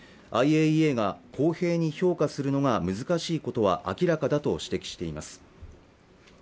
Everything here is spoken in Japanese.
ＩＡＥＡが公平に評価するのが難しいことは明らかだと指摘しています